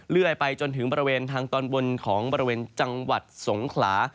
เรื่อยไปจนถึงบริเวณทางตอนบนของบริเวณจังหวัดสงขลา